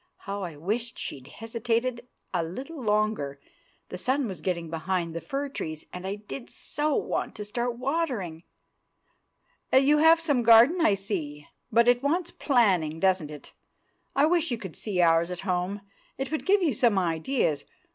(How I wished she'd hesitated a little longer! The sun was getting behind the fir trees, and I did so want to start watering!) "You have some garden, I see, but it wants planning, doesn't it? I wish you could see ours at home; it would give you some ideas.